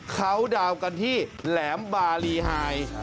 เขาดาวน์กันที่แหลมบารีไฮ